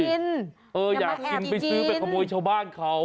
เอออยากกินไปซื้อไปขโมยชาวบ้านเขา